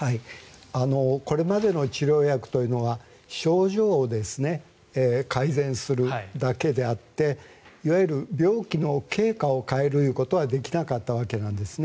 これまでの治療薬というのは症状を改善するだけであっていわゆる病気の経過を変えるということはできなかったわけなんですね。